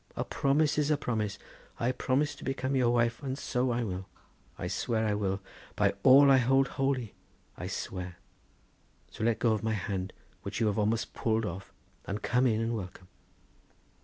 a promise is a promise; I promised to become your wife, and so I will; I swear I will; by all I hold holy I swear; so let go my hand, which you have almost pulled off, and come in and welcome!